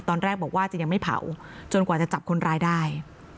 ตอนแรกบอกว่าจะยังไม่เผาจนกว่าจะจับคนร้ายได้